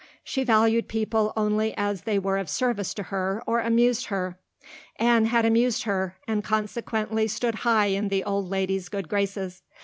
She valued people only as they were of service to her or amused her. Anne had amused her, and consequently stood high in the old lady's good graces.